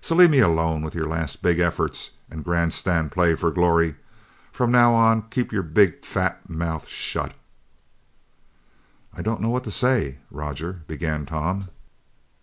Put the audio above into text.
So leave me alone with your last big efforts and grandstand play for glory. From now on, keep your big fat mouth shut!" "I I don't know what to say, Roger," began Tom.